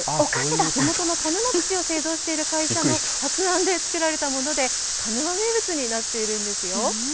地元の鹿沼土を製造している会社の発案で作られたもので、鹿沼名物になっているんですよ。